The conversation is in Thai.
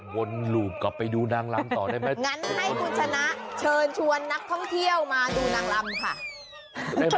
วนหลูกกลับไปดูนางลำต่อได้ไหม